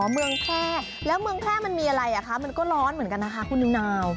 เมืองแพร่แล้วเมืองแพร่มันมีอะไรอ่ะคะมันก็ร้อนเหมือนกันนะคะคุณนิวนาว